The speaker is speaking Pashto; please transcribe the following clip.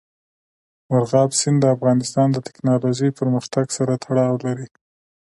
مورغاب سیند د افغانستان د تکنالوژۍ پرمختګ سره تړاو لري.